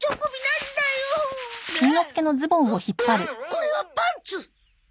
これはパンツ！